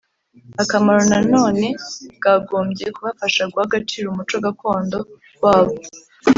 Akamaro nanone bwagombye kubafasha guha agaciro umuco gakondo wabo